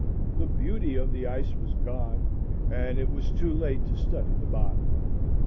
The beauty of the ice was gone, and it was too late to study the bottom.